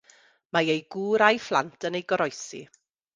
Mae ei gŵr a'i phlant yn ei goroesi.